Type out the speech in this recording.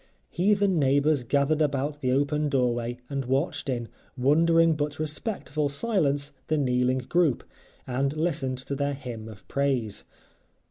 Heathen neighbors gathered about the open doorway and watched, in wondering but respectful silence, the kneeling group, and listened to their hymn of praise.